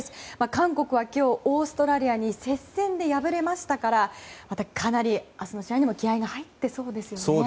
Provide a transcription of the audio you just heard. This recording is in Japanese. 韓国は今日オーストラリアに接戦で敗れましたからかなり明日の試合にも気合が入っていそうですよね。